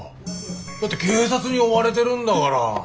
だって警察に追われてるんだから。